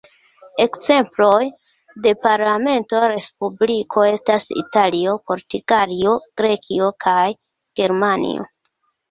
Ekzemploj de parlamenta respubliko estas Italio, Portugalio, Grekio kaj Germanio.